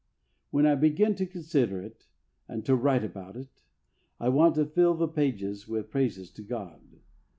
When I begin to consider it and to write about it, I want to fill the page with praises to God.